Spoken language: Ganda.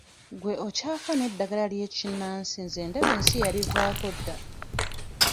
Gwe okyafa n'eddagala ly'ekinnansi nze ndaba ensi yalivaako dda.